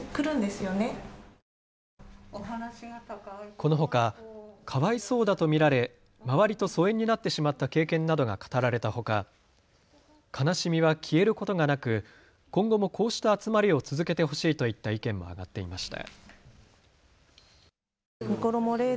このほかかわいそうだと見られ周りと疎遠になってしまった経験などが語られたほか悲しみは消えることがなく今後もこうした集まりを続けてほしいといった意見もあがっていました。